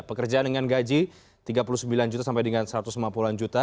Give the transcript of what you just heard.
pekerjaan dengan gaji tiga puluh sembilan juta sampai dengan satu ratus lima puluh an juta